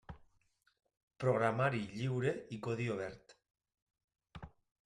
Programari lliure i codi obert.